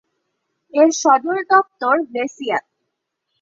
এর সদর দফতর ব্রেসিয়াতে।